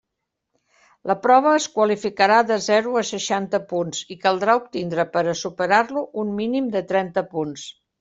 La prova es qualificarà de zero a seixanta punts, i caldrà obtindre per a superar-lo un mínim de trenta punts.